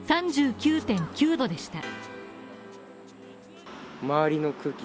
３９．９度でした。